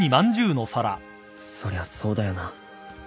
そりゃそうだよな